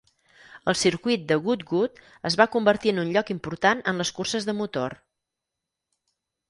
El circuit de Goodwood es va convertir en un lloc important en les curses de motor.